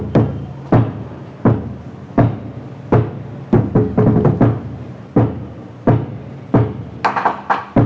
สงสัยแค่เมื่อวันอาทิตย์